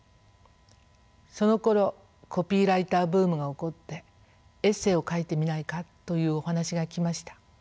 そのころコピーライターブームが起こってエッセーを書いてみないかというお話が来ました。